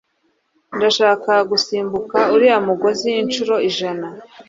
Ndashaka gusimbuka uriya mugozi inshuro ijana